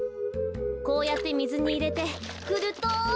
こうやってみずにいれてふると。